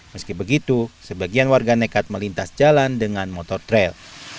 meski begitu sebagian warga nekat melintas jalan dengan motor trail